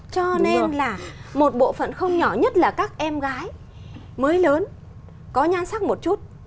cho nên là một bộ phận không nhỏ nhất là các em gái mới lớn có nhan sắc một chút